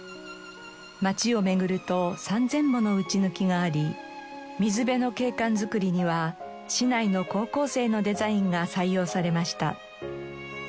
街を巡ると３０００ものうちぬきがあり水辺の景観作りには市内の高校生のデザインが採用されました。